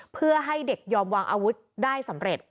เพื่อให้เด็กยอมวางอาวุธได้สำเร็จ